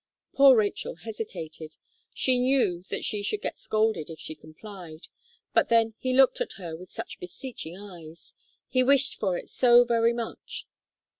Poor Rachel hesitated. She knew that she should get scolded if she complied; but then, he looked at her with such beseeching eyes he wished for it so very much.